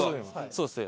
そうですね。